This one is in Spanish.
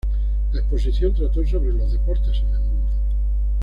La Exposición trató sobre "Los deportes en el mundo".